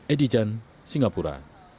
edi jan singapura